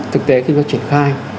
thực tế khi chúng ta triển khai